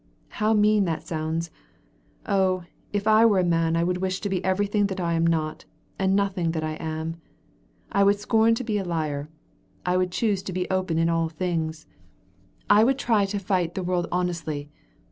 "How mean that sounds! Oh, if I were a man I would wish to be everything that I am not, and nothing that I am. I would scorn to be a liar, I would choose to be open in all things, I would try to fight the world honestly.